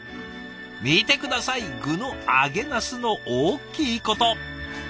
見て下さい具の揚げナスの大きいこと。